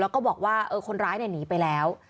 แล้วก็บอกว่าคนร้ายหนีไปแล้ว